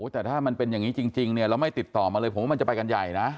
แต่ถ้ามันเป็นอย่างนี้จริงเนี่ยเราไม่ติดต่อมาเลยผมว่ามันจะไปกันใหญ่นะ